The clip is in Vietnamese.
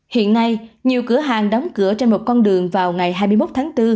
hiện nay nhiều cửa hàng đóng cửa trên một con đường vào ngày hai mươi một tháng bốn